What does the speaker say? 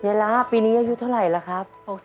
ละปีนี้อายุเท่าไหร่ล่ะครับ